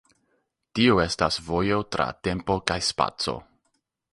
Tio estas vojo tra tempo kaj spaco.